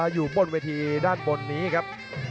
อยู่บนเวทีด้านบนนี้ครับ